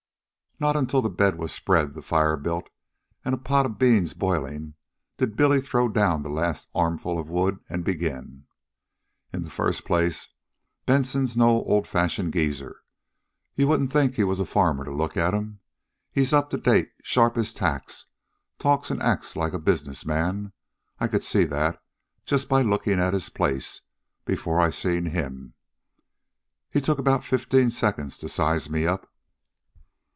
Not until the bed was spread, the fire built, and a pot of beans boiling did Billy throw down the last armful of wood and begin. "In the first place, Benson's no old fashioned geezer. You wouldn't think he was a farmer to look at 'm. He's up to date, sharp as tacks, talks an' acts like a business man. I could see that, just by lookin' at his place, before I seen HIM. He took about fifteen seconds to size me up.